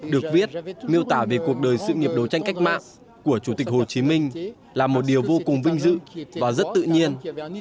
được viết miêu tả về cuộc đời sự nghiệp đấu tranh cách mạng của chủ tịch hồ chí minh là một điều vô cùng vinh dự và rất tự nhiên